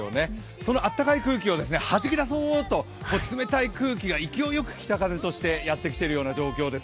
そのあったかい空気をはじき出そうと冷たい空気が勢いよく北風としてやってきてる感じです。